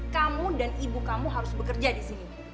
kamu dan ibu kamu harus bekerja disini